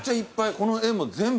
この絵も全部？